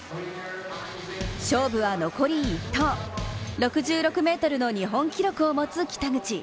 勝負は残り１投、６６ｍの日本記録を持つ北口。